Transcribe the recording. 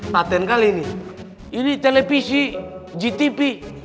paten kali ini ini televisi gtv